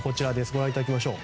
ご覧いただきましょう。